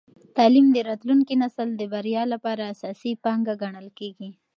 تعلیم د راتلونکي نسل د بریا لپاره اساسي پانګه ګڼل کېږي.